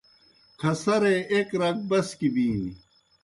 کھسرے ایْک رگ بسکی بِینیْ